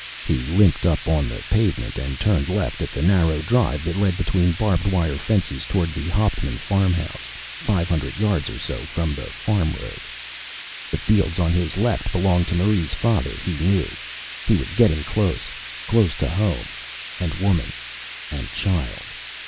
He limped on up the pavement and turned left at the narrow drive that led between barbed wire fences toward the Hauptman farmhouse, five hundred yards or so from the farm road. The fields on his left belonged to Marie's father, he knew. He was getting close close to home and woman and child.